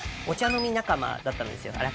お茶飲み仲間だったんですよ